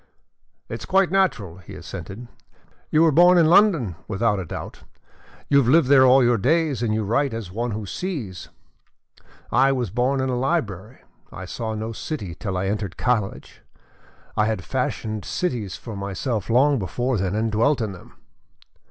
"It is quite natural," he assented. "You were born in London, without a doubt, you have lived there all your days and you write as one who sees. I was born in a library. I saw no city till I entered college. I had fashioned cities for myself long before then, and dwelt in them."